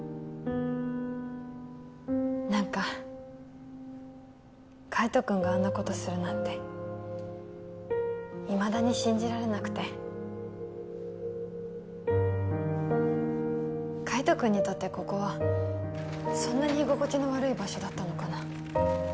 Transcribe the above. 何か海斗君があんなことするなんていまだに信じられなくて海斗君にとってここはそんなに居心地の悪い場所だったのかな